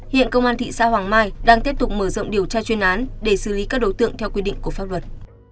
hiện công an thị xã hoàng mai đang tiếp tục mở rộng điều tra chuyên án để xử lý các đối tượng theo quy định của pháp luật